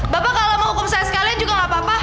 bapak kalau mau hukum saya sekalian juga gak apa apa